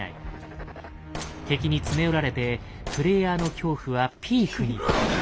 敵に詰め寄られてプレイヤーの恐怖はピークに。